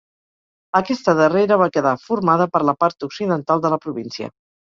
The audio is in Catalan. Aquesta darrera va quedar formada per la part occidental de la província.